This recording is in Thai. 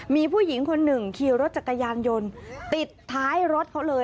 มีผู้หญิงคนหนึ่งขี่รถจักรยานยนต์ติดท้ายรถเขาเลย